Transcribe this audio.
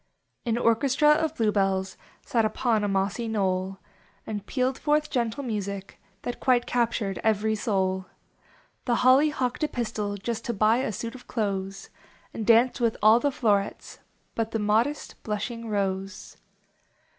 An orchestra of Blue Hells Sat upon a mossy knoll And pealed forth gentle music That quite captured every soul. The Holly hocked a pistil Just to buv a suit of clothes. And danced with all the flowerets Uni the modest, blushing Rose.